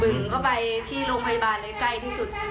เข้าไปที่โรงพยาบาลได้ใกล้ที่สุด